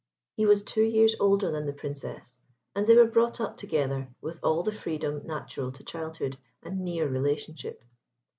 He was two years older than the Princess, and they were brought up together with all the freedom natural to childhood and near relationship.